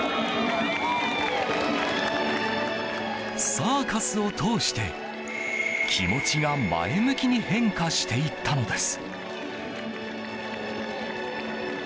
サーカスを通して、気持ちが前向きに変化していったのです。